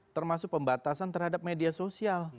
termasuk pembatasan terhadap media sosial